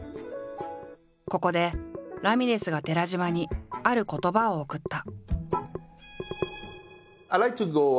ここでラミレスが寺島にある言葉を贈った。